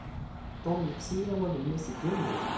Tom yekkes-iyi awalen-nni seg imi-w.